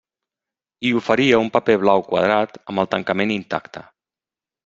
I oferia un paper blau quadrat amb el tancament intacte.